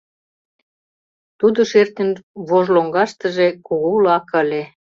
Тудо шертньын вож лоҥгаштыже кугу лаке ыле.